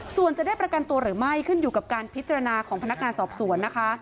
ส่วนจะได้ประกันตัวหรือไม่ขึ้นอยู่กับการพิจารณาของพนักงานสอบสวนนะคะ